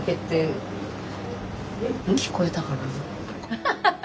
アハハハ。